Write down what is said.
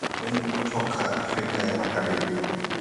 wengi kutoka afrika ya magharibi